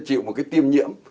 chịu một cái tiêm nhiễm